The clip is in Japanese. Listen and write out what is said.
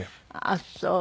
あっそう。